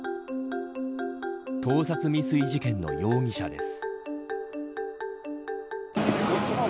盗撮未遂事件の容疑者です。